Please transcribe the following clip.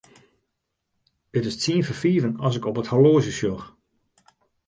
It is tsien foar fiven as ik op it horloazje sjoch.